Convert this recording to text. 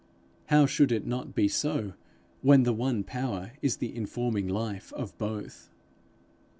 How should it not be so, when the one Power is the informing life of both?